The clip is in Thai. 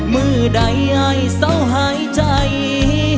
มือใดไอเสาหายใจ